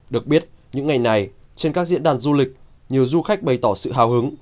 được biết những ngày này trên các diễn đàn du lịch nhiều du khách bày tỏ sự hào hứng